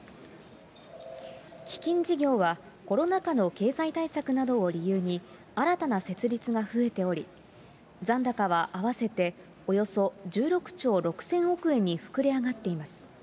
基金事業はコロナ禍の経済対策などを理由に、新たな設立が増えており、残高は合わせておよそ１６兆６０００億円に膨れ上がっています。